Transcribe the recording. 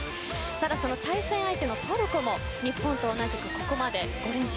ただ、その対戦相手のトルコも日本と同じくここまで５連勝。